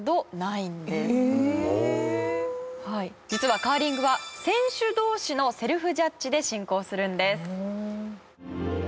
実はカーリングは選手同士のセルフジャッジで進行するんです。